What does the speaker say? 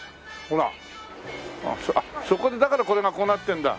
あっそこでだからこれがこうなってんだ。